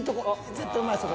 絶対うまいそこ。